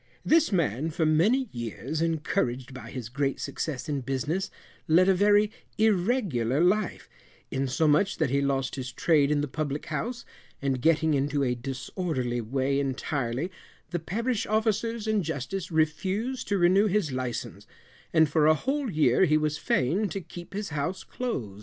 This man for many years, encouraged by his great success in business, led a very irregular life, insomuch that he lost his trade in the public house, and getting into a disorderly way entirely, the parish officers and justice refused to renew his license, and for a whole year he was fain to keep his house close.